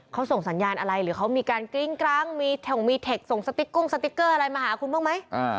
เขาส่งสัญญาณอะไรหรือเขามีการกริ้งกร้างมีเทคส่งสติ๊กกุ้งสติ๊กเกอร์อะไรมาหาคุณบ้างไหม